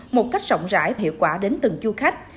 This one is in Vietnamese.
một cách rộng rãi và hiệu quả đến từng du khách